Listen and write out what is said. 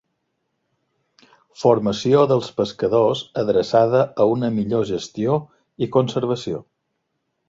Formació dels pescadors adreçada a una millor gestió i conservació.